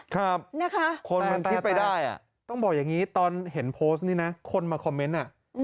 คนมันคิดไปได้ต้องบอกอย่างนี้ตอนเห็นโพสต์นี้นะคนมาคอมเมนต์